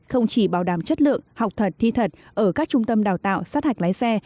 không chỉ bảo đảm chất lượng học thật thi thật ở các trung tâm đào tạo sát hạch lái xe